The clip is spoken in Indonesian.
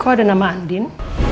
kok ada nama andin